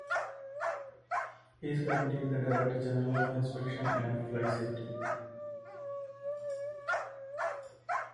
He is currently the Director General of Inspection and Flight Safety.